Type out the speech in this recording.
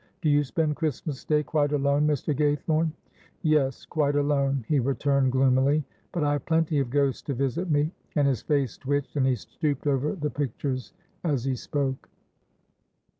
Do you spend Christmas Day quite alone, Mr. Gaythorne?" "Yes, quite alone," he returned, gloomily; "but I have plenty of ghosts to visit me," and his face twitched, and he stooped over the pictures as he spoke.